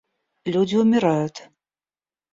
Люди умирают.